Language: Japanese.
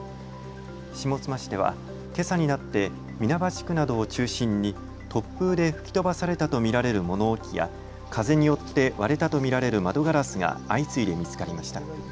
下妻市ではけさになって皆葉地区などを中心に突風で吹き飛ばされたと見られる物置や風によって割れたと見られる窓ガラスが相次いで見つかりました。